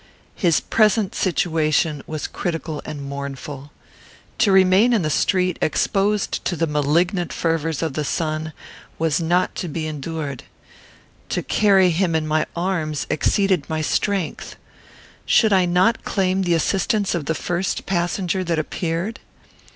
His present situation was critical and mournful. To remain in the street, exposed to the malignant fervours of the sun, was not to be endured. To carry him in my arms exceeded my strength. Should I not claim the assistance of the first passenger that appeared?